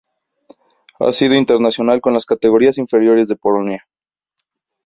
Ha sido internacional con las categorías inferiores de Polonia.